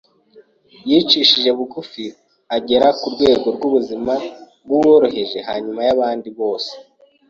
yicishije bugufi agera ku rwego rw’ubuzima bw’uworoheje hanyuma y’abandi bose